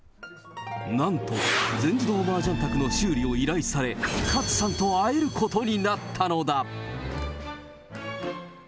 なんと、全自動マージャン卓の修理を依頼され、勝さんと会えることになったのだ。